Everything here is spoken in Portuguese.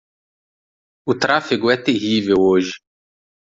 O tráfego é terrível hoje.